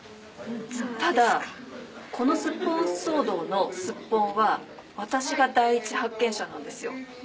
ただこのスッポン騒動のスッポンは私が第一発見者なんですよ。